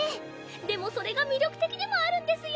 でもそれが魅力的でもあるんですよ。